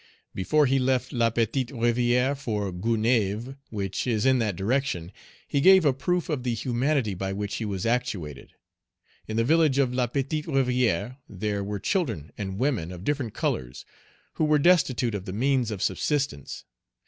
Before he left La Petite Rivière for Gonaïves, which is in that direction, he gave a proof of the humanity by which he was actuated. In the village of La Petite Rivière, there were children and women, of different colors, who were destitute of the means of subsistence.